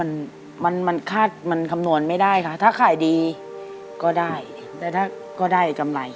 มันมันมันคาดมันคำนวณไม่ได้ค่ะถ้าขายดีก็ได้แต่ถ้าก็ได้กำไร